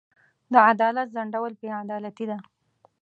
د عدالت ځنډول بې عدالتي ده.